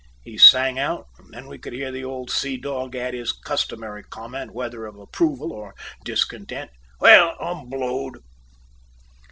he sang out, and then we could hear the old sea dog add his customary comment, whether of approval or discontent, "Well, I'm blowed!"